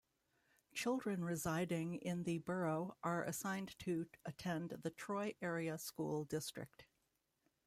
Children residing in the borough are assigned to attend the Troy Area School District.